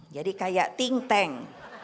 jadi kayak ting teng